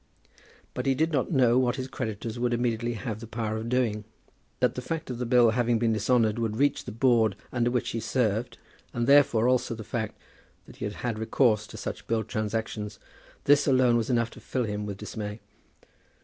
But he did not know what his creditors would immediately have the power of doing. That the fact of the bill having been dishonoured would reach the Board under which he served, and, therefore, also the fact that he had had recourse to such bill transactions, this alone was enough to fill him with dismay.